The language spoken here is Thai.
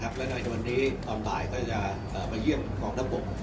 อ่ะแล้วไทน์วันนี้ตอนบ่ายแล้วมาเยี่ยมกว้างท่านบก